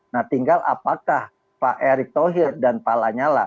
nah tinggal apakah pak erick thohir dan pak lanyala